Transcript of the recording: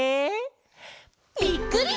ぴっくり！